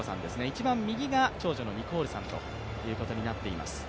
一番右が長女のニコールさんということになっています。